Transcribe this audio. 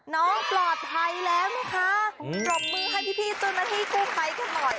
น้องปลอดภัยแล้วนะคะอืมปรบมือให้พี่จนที่กู้ไพกันหน่อย